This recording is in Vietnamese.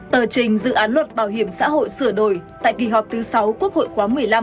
tờ trình dự án luật bảo hiểm xã hội sửa đổi tại kỳ họp thứ sáu quốc hội quá một mươi năm